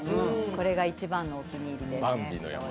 これが一番のお気に入りです。